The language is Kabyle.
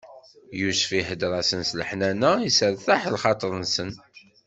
Yusef ihdeṛ-asen s leḥnana, isseṛtaḥ lxaṭer-nsen.